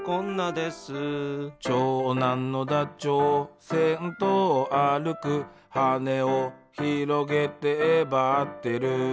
「長男のダチョウ先頭歩く」「羽をひろげてえばってる」